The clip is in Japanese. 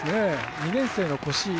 ２年生の越井。